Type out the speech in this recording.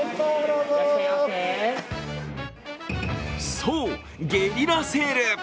そう、ゲリラセール。